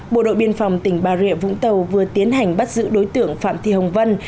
bộ đội biên phòng tỉnh bà rịa vũng tàu vừa tiến hành bắt giữ đối tượng phạm thị hồng vân